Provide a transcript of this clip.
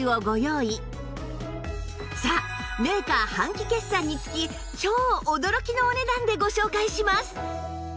さあメーカー半期決算につき超驚きのお値段でご紹介します！